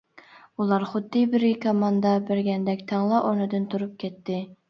ئۇلار خۇددى بىرى كاماندا بەرگەندەك تەڭلا ئورنىدىن تۇرۇپ كەتتى.